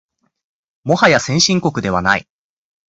もはや先進国ではない